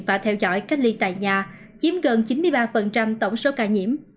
và theo dõi cách ly tại nhà chiếm gần chín mươi ba tổng số ca nhiễm